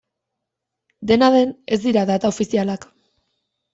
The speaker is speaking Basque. Dena den, ez dira data ofizialak.